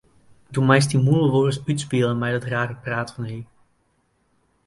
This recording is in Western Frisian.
Do meist dy de mûle wolris útspiele mei dat rare praat fan dy.